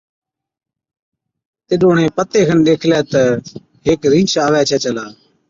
تِڏ اُڻهين پتي ڏيکلَي تہ هيڪ رِينڇ آوَي ڇَي چلا۔